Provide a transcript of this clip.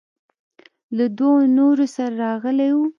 له دوو نورو سره راغلى و.